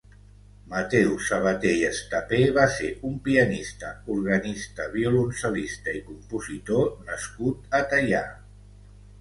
Mateu Sabater i Estaper va ser un pianista, organista, violoncel·lista i compositor nascut a Teià.